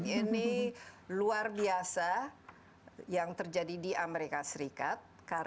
ini luar biasa yang terjadi di amerika serikat